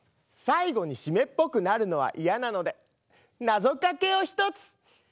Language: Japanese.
最後に湿っぽくなるのは嫌なのでなぞかけを一つ。